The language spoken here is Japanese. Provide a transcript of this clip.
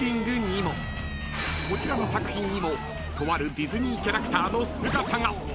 ［こちらの作品にもとあるディズニーキャラクターの姿が］